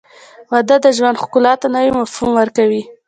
• واده د ژوند ښکلا ته نوی مفهوم ورکوي.